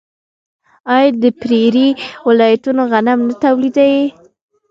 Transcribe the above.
آیا د پریري ولایتونه غنم نه تولیدوي؟